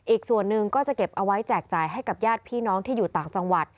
อีกส่วนหนึ่งก็จะเก็บเอาไว้แจกจ่ายให้กับญาติพี่น้องที่อยู่ต่างจังหวัด